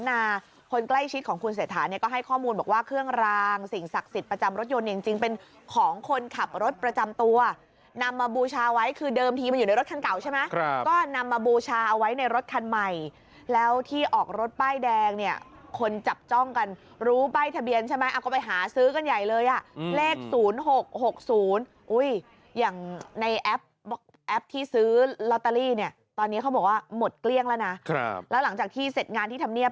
ล้านนาคนใกล้ชิดของคุณเศรษฐานเนี่ยก็ให้ข้อมูลบอกว่าเครื่องรางสิ่งศักดิ์สิทธิ์ประจำรถยนต์จริงเป็นของคนขับรถประจำตัวนำมาบูชาไว้คือเดิมทีมันอยู่ในรถคันเก่าใช่ไหมก็นำมาบูชาเอาไว้ในรถคันใหม่แล้วที่ออกรถป้ายแดงเนี่ยคนจับจ้องกันรู้ป้ายทะเบียนใช่ไหมเอาไปหาซื้อกันใหญ่